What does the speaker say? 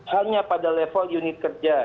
hanya pada level unit kerja